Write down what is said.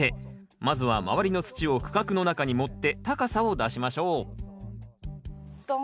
まずは周りの土を区画の中に盛って高さを出しましょうストン。